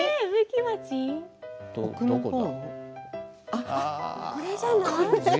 あっこれじゃない？